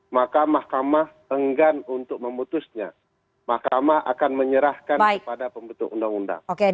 maka mahkamah enggan untuk memutusnya mahkamah akan menyerahkan kepada pembentuk undang undang